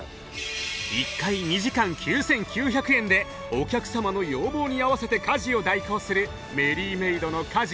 １回２時間９９００円でお客様の要望に合わせて家事を代行するメリーメイドの家事